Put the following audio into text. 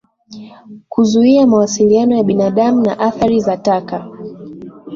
Kuzuia mawasiliano ya binadamu na athari za taka